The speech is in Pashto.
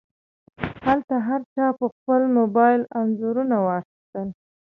هلته هر چا په خپل موبایل انځورونه واخیستل.